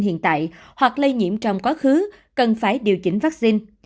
hiện tại hoặc lây nhiễm trong quá khứ cần phải điều chỉnh vắc xin